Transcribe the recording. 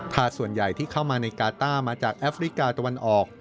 ส่วนใหญ่ที่เข้ามาในกาต้ามาจากแอฟริกาตะวันออก